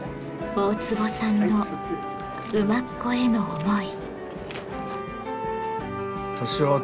大坪さんの馬コへの思い。